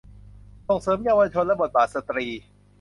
ส่งเสริมเยาวชนและบทบาทสตรี